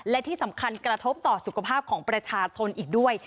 และที่สำคัญกระทบต่อสุขภาพของประชาชนอีกด้วย